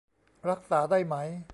รักษาได้ไหม